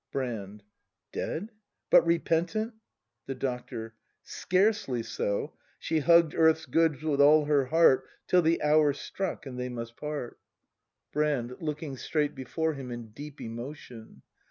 Brand. Dead !— But repentant ? The Doctor. Scarcely so; She hugg'd Earth's goods with all her heart Till the Hour struck, and they must part. ACT III] BRAND 137 Brand. [Looking straight before him in deep emotion.